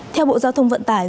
theo bộ giao thông vận tải